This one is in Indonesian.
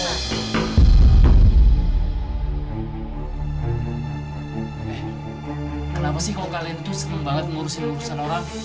eh kenapa sih kalau kalian itu seram banget mengurusin urusan orang